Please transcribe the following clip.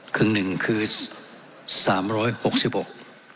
ครึ่งหนึ่งคือสามร้อยหกสิบหก